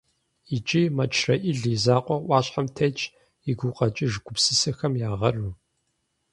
Иджы Мэчрэӏил и закъуэу ӏуащхьэм тетщ и гукъэкӏыж гупсысэхэм я гъэру.